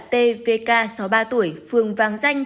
t vk sáu mươi ba tuổi phương vang danh